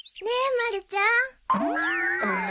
ねえまるちゃん？